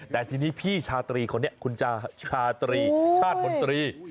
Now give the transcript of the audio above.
แต่ทีนี้พี่ชาตรีคนนี้คุณชาตรี